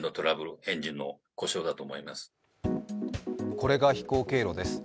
これが飛行経路です。